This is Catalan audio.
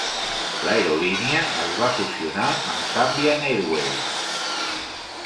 L'aerolínia es va fusionar amb Zambian Airways.